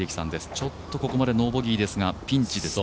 ちょっとここまでノーボギーですがピンチですね。